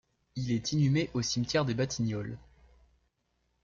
Il est inhumé au cimetière des Batignolles.